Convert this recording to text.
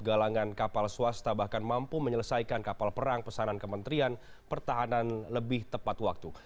galangan kapal swasta bahkan mampu menyelesaikan kapal perang pesanan kementerian pertahanan lebih tepat waktu